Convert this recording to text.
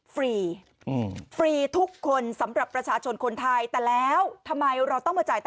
ฟรีฟรีทุกคนสำหรับประชาชนคนไทยแต่แล้วทำไมเราต้องมาจ่าย